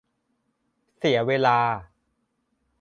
เสียเวลา